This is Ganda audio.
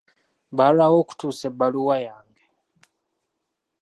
Baalwawo okutuusa ebbaluwa yange.